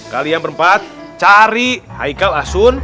kalian berempat cari haikal asun